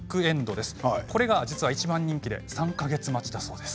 実はこれがいちばん人気で３か月待ちだそうです。